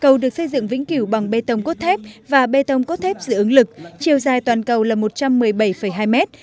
cầu được xây dựng vĩnh kiểu bằng bê tông cốt thép và bê tông cốt thép giữ ứng lực chiều dài toàn cầu là một trăm một mươi bảy hai mét